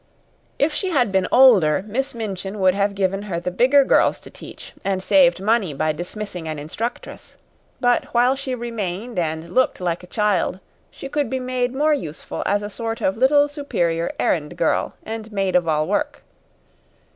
If she had been older, Miss Minchin would have given her the bigger girls to teach and saved money by dismissing an instructress; but while she remained and looked like a child, she could be made more useful as a sort of little superior errand girl and maid of all work.